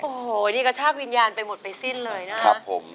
โอ้โหนี่กระชากวิญญาณไปหมดไปสิ้นเลยนะครับผม